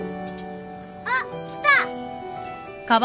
あっ来た。